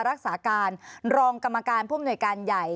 รักษาการรองกรรมการผู้มนวยการใหญ่